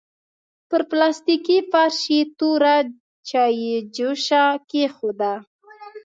پر پلاستيکي فرش يې توره چايجوشه کېښوده.